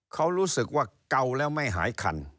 เขารู้สึกว่าเก่าแล้วไม่หายคัน